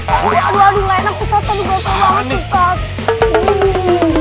awas dihukum nanti